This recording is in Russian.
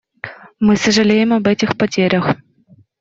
Мы сожалеем об этих потерях.